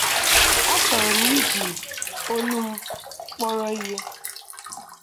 Achọrọ m iji olu m kpọrọ ihe.